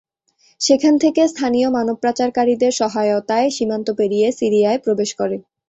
সেখান থেকে স্থানীয় মানব পাচারকারীদের সহায়তায় সীমান্ত পেরিয়ে সিরিয়ায় প্রবেশ করে।